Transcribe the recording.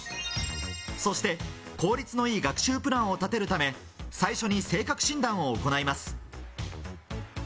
そして効率の良い学習プランを立てるため、最初に性格診断を行います。